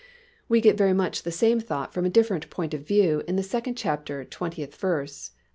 We get very much the same thought from a different point of view in the second chapter and twentieth verse, A.